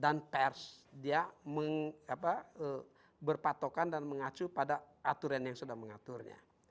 pers dia berpatokan dan mengacu pada aturan yang sudah mengaturnya